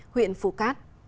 huyện phủ cát